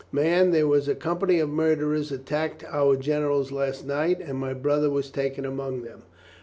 "Man, there was a company of murderers at tacked our generals last night and my brother was taken among them."